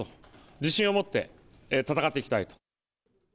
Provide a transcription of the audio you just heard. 自信を持って戦っていきたいと。